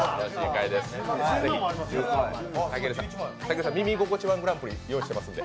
たけるさん、「耳心地いい−１グランプリ」用意してますんで。